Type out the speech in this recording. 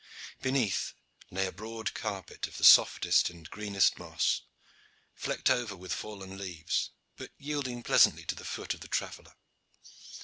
Beneath lay a broad carpet of the softest and greenest moss, flecked over with fallen leaves, but yielding pleasantly to the foot of the traveller.